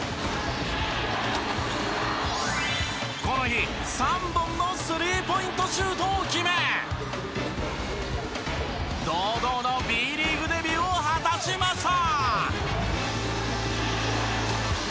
この日３本のスリーポイントシュートを決め堂々のＢリーグデビューを果たしました。